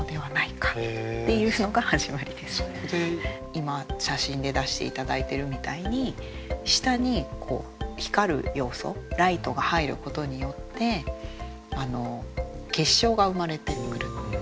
今写真で出して頂いてるみたいに下に光る要素ライトが入ることによって結晶が生まれてくる。